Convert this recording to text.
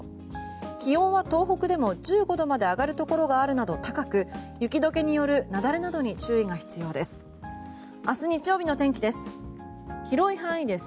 気温は、東北でも１５度まで上がるところがあるなど、高く雪解けによる雪崩などに注意が必要です。